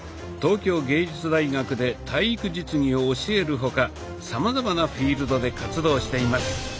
東京藝術大学で体育実技を教える他さまざまなフィールドで活動しています。